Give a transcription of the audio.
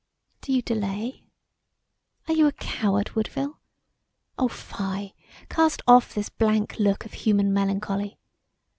Do you delay? Are you a coward, Woodville? Oh fie! Cast off this blank look of human melancholy.